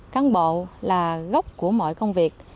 cán bộ là gốc của mọi công việc